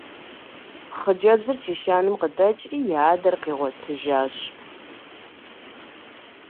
Хъыджэбзыр чэщанэм къыдэкӀри и адэр къигъуэтыжащ.